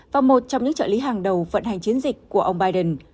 và một trong những trợ lý hàng đầu vận hành chiến dịch của ông biden